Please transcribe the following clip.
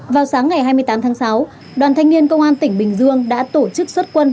vào sáng ngày hai mươi tám tháng sáu đoàn thanh niên công an tỉnh bình dương đã tổ chức xuất quân